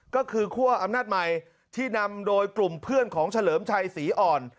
ก็คือคั่วอำนาจใหม่ที่นำโดยกลุ่มเพื่อนของเฉลิมชัยศรีอ่อน